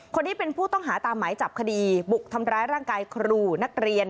คนนี้เป็นผู้ต้องหาตามหมายจับคดีบุกทำร้ายร่างกายครูนักเรียน